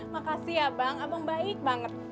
makasih ya bang abang baik banget